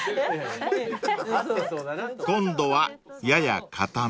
［今度はやや硬め］